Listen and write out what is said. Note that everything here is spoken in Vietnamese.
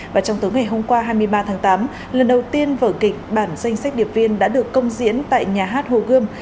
và trong tối ngày hôm qua hai mươi ba tháng tám lần đầu tiên vở kịch bản danh sách điệp viên đã được công diễn tại nhà hát hồ gươm